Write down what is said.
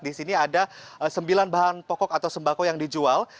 di sini ada sembilan bahan pokok atau sembako yang dijual